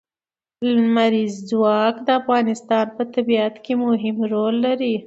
لمریز ځواک د افغانستان په طبیعت کې مهم رول لري.